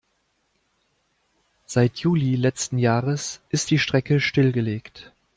Seit Juli letzten Jahres ist die Strecke stillgelegt.